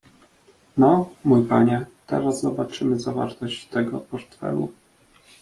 "No, mój panie, teraz zobaczymy zawartość tego portfelu."